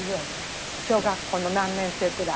小学校の何年生くらい？